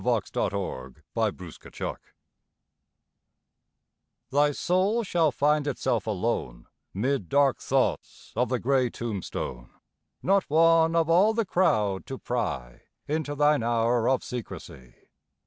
SPIRITS OF THE DEAD Thy soul shall find itself alone 'Mid dark thoughts of the gray tombstone; Not one, of all the crowd, to pry Into thine hour of secrecy.